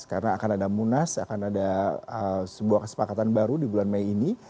karena akan ada munas akan ada sebuah kesepakatan baru di bulan mei ini